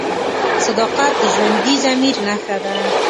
صداقت د ژوندي ضمیر نښه ده.